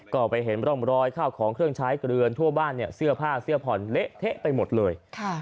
ก็ไปเห็นร่องรอยข้าวของเครื่องใช้เกลือนทั่วบ้านเนี่ยเสื้อผ้าเสื้อผ่อนเละเทะไปหมดเลย